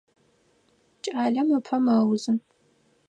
Кӏалэм ыпэ мэузы.